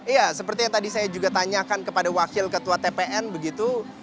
iya seperti yang tadi saya juga tanyakan kepada wakil ketua tpn begitu